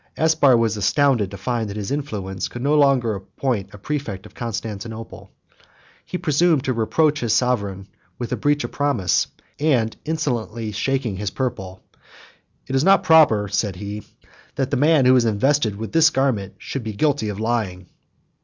Aspar was astonished to find that his influence could no longer appoint a præfect of Constantinople: he presumed to reproach his sovereign with a breach of promise, and insolently shaking his purple, "It is not proper, (said he,) that the man who is invested with this garment, should be guilty of lying."